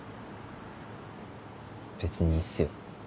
別にいいっすよ。